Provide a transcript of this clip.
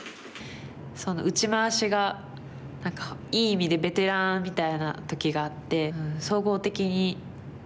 打ち回しが何かいい意味でベテランみたいな時があって。